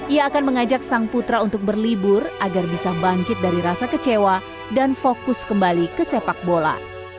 ia akan mengajak sang putra untuk berlibur agar bisa bangkit dari rasa kecewa dan fokus kembali ke sepak bola